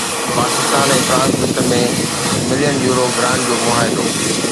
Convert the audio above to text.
Pakistan ۽ France وچ ۾ million euro grant جو معاهدو